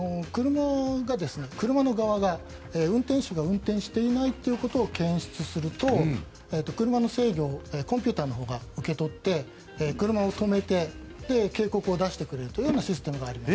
車側が運転手が運転していないということを検出すると、車の制御をコンピューターのほうが受け取って車を止めて警告を出してくれるというシステムがあります。